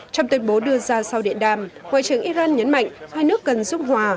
trong tuyên bố đưa ra sau điện đàm ngoại trưởng iran nhấn mạnh hai nước cần xúc hòa